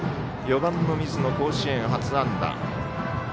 ４番の水野、甲子園初安打。